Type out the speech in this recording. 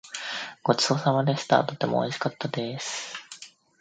ごちそうさまでした。とてもおいしかったです。